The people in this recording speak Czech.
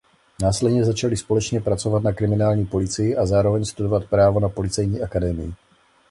Následně začali společně pracovat na kriminální policii a zároveň studovat právo na policejní akademii.